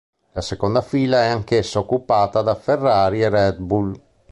La seconda fila è anch'essa occupata da Ferrari e Red Bull.